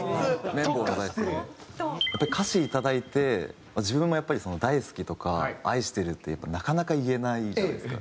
歌詞いただいて自分もやっぱり「大好き」とか「愛してる」ってなかなか言えないじゃないですか。